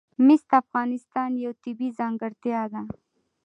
مس د افغانستان یوه طبیعي ځانګړتیا ده.